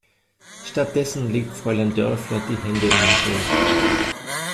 Stattdessen legt Fräulein Dörfler die Hände in den Schoß.